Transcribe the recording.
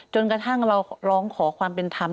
จนกระทั่งเราร้องขอความเป็นธรรม